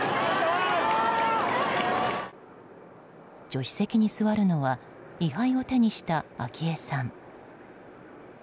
助手席に座るのは遺灰を手にした昭恵さん。